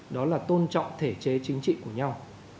đó là tôn trọng thể chế chính trị của nhau